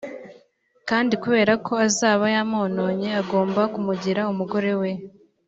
kandi kubera ko azaba yamwononnye, agomba kumugira umugore we,